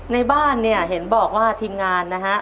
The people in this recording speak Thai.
ในบ้านเนี่ยเห็นบอกว่าทีมงานนะฮะ